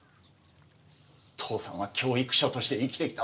父さんは教育者として生きてきた。